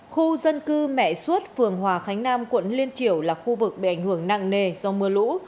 khu dân cư mẹ suốt phường hòa khánh nam quận liên triểu là khu vực bị ảnh hưởng nặng nề do mưa lũ